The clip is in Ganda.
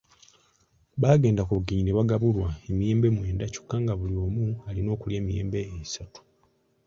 Baagenda ku bugenyi ne bagabulwa emiyembe mwenda kyokka nga buli omu alina okulya emiyembe esatu.